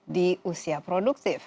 di usia produktif